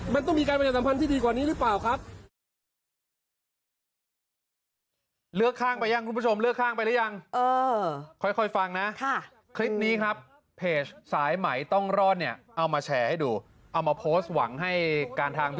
มันต้องมีการประชาสัมพันธ์ที่ดีกว่านี้หรือเปล่าครับ